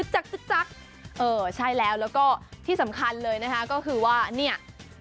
จักเออใช่แล้วแล้วก็ที่สำคัญเลยนะคะก็คือว่าเนี่ย